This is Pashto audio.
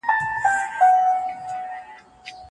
مشرانو وویل چي د یووالي ثمره ډېره خوږه ده.